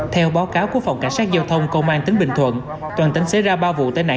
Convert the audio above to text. theo báo cáo của phòng cảnh sát giao thông công an tỉnh bình thuận toàn tỉnh xảy ra ba vụ tai nạn